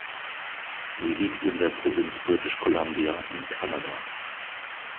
Sie liegt in der Provinz British Columbia in Kanada.